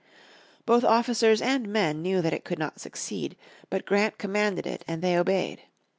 Both officers and men knew that it could not succeed, but Grant commanded it and they obeyed.